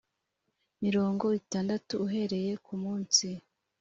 mirongo itandatu uhereye ku munsi